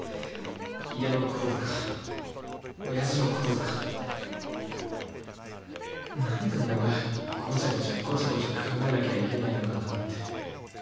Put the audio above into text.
家のこととか親父のこととかなんで俺がごちゃごちゃごちゃごちゃ考えなきゃいけないのかなって。